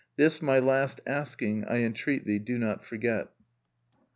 This, my last asking, I entreat thee, do not forget."